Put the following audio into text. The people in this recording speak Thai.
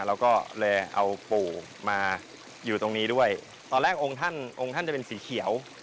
เราก็เลยเอาปู่มาอยู่ตรงนี้ด้วยตอนแรกองค์ท่านองค์ท่านจะเป็นสีเขียว